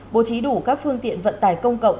bố trí đủ các phương tiện vận tải công cộng